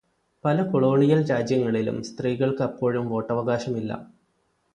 പല കൊളോണിയല് രാജ്യങ്ങളിലും സ്ത്രീകള്ക്ക് അപ്പോഴും വോട്ടവകാശമില്ല.